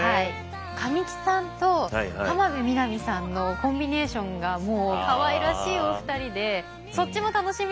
神木さんと浜辺美波さんのコンビネーションがもうかわいらしいお二人でそっちも楽しみです。